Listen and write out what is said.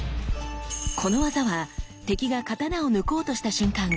この技は敵が刀を抜こうとした瞬間